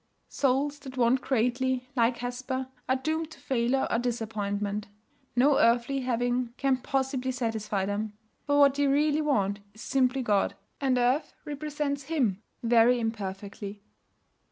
Souls that want greatly, like Hesper, are doomed to failure or disappointment. No earthly having can possibly satisfy them. For what they really want is simply God, and earth represents Him very imperfectly.